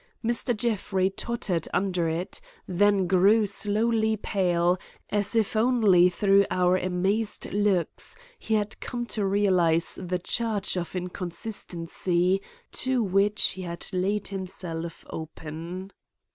Mr. Jeffrey tottered under it, then grew slowly pale as if only through our amazed looks he had come to realize the charge of inconsistency to which he had laid himself open.